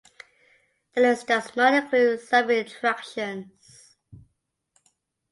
The list does not include surfing attractions.